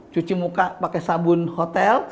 cuci muka pakai sabun hotel